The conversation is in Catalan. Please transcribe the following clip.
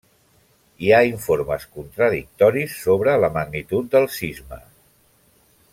Hi ha informes contradictoris sobre la magnitud del sisme.